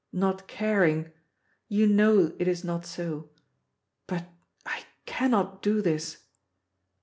Not caring you know it is not so. But I cannot do this.